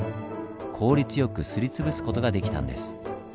効率よくすり潰す事ができたんです。